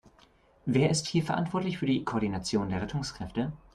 Wer ist hier verantwortlich für die Koordination der Rettungskräfte?